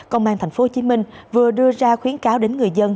công an tp hcm vừa đưa ra khuyến cáo đến người dân